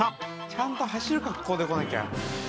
ちゃんと走る格好で来なきゃ。